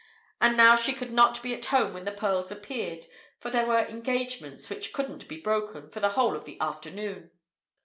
And now she could not be at home when the pearls appeared, for there were engagements, which couldn't be broken, for the whole of the afternoon.